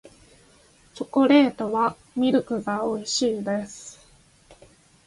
チョコレートはミルクが美味しいです